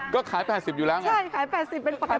ก็ขาย๘๐อยู่แล้วไงขาย๘๐เป็นปกติ